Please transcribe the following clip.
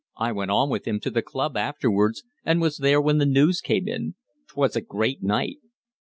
I went on with him to the club afterwards and was there when the news came in. 'Twas a great night!"